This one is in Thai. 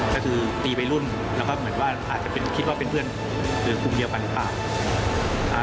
ก็คือตีวัยรุ่นแล้วก็เหมือนว่าอาจจะเป็นคิดว่าเป็นเพื่อนหรือกลุ่มเดียวกันหรือเปล่า